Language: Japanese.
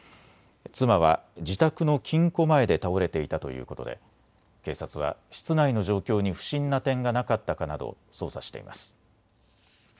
妻は自宅の金庫前で倒れていたということで警察は室内の状況に不審な点がなかったかなど捜査しています。